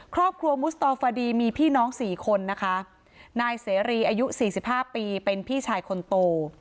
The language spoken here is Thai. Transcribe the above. ครอบครัวมุษตรฟดีมีพี่น้องสี่คนนายเสรีอายุ๔๕ปีเป็นพี่ชายคนโต